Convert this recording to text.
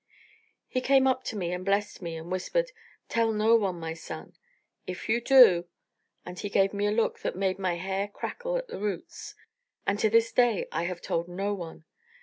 He came up to me and blessed me, and whispered: 'Tell no one, my son. If you do' and he gave me a look that made my hair crackle at the roots. And to this day I have told no one.